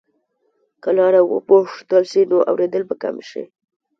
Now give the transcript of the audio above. که لاره وپوښتل شي، نو ورکېدل به کم شي.